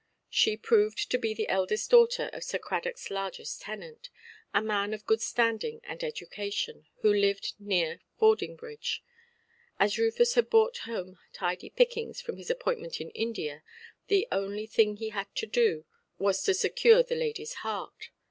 She proved to be the eldest daughter of Sir Cradockʼs largest tenant, a man of good standing and education, who lived near Fordingbridge. As Rufus had brought home tidy pickings from his appointment in India, the only thing he had to do was to secure the ladyʼs heart.